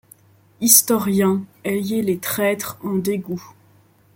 Historiens, ayez les traîtres en dégoût.